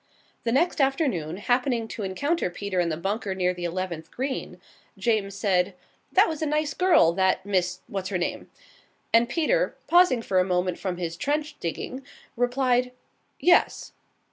The next afternoon, happening to encounter Peter in the bunker near the eleventh green, James said: "That was a nice girl, that Miss What's her name." And Peter, pausing for a moment from his trench digging, replied: "Yes."